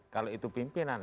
kalau itu pimpinan